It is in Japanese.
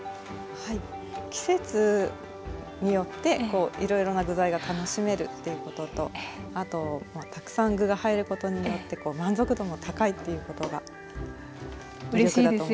はい季節によっていろいろな具材が楽しめるっていうこととあとたくさん具が入ることによって満足度も高いっていうことが魅力だと思います。